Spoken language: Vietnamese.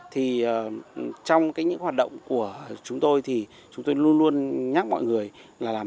thì trong những hoạt động của chúng tôi thì chúng tôi luôn luôn nhắc mọi người là làm